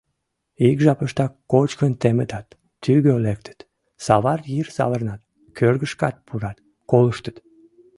Ик жапыштак кочкын темытат, тӱгӧ лектыт, савар йыр савырнат, кӧргышкат пурат, колыштыт.